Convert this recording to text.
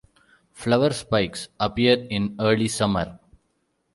Flower spikes appear in early summer.